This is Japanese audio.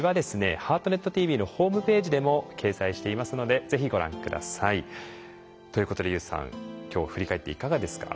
「ハートネットＴＶ」のホームページでも掲載していますのでぜひご覧下さい。ということでＹＯＵさん今日を振り返っていかがですか？